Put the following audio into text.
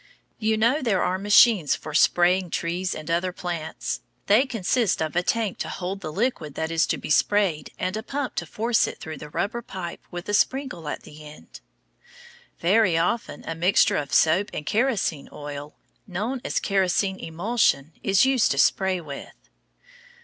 You know there are machines for spraying trees and other plants. They consist of a tank to hold the liquid that is to be sprayed and a pump to force it through a rubber pipe with a sprinkler at the end. Very often a mixture of soap and kerosene oil, known as "kerosene emulsion," is used to spray with.